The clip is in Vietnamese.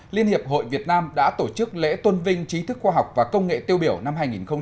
liên hiệp hội việt nam đã tổ chức lễ tôn vinh trí thức khoa học và công nghệ tiêu biểu năm hai nghìn một mươi chín